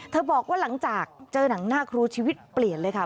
บอกว่าหลังจากเจอหนังหน้าครูชีวิตเปลี่ยนเลยค่ะ